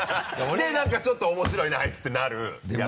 で何かちょっと面白いねアイツてなるヤツ。